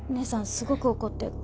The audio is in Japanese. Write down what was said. すごく怒って「帰れ！」